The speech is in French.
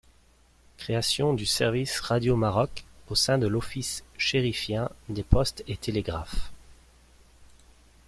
Création du service Radio-Maroc au sein de l'office chérifien des postes et Télégraphes.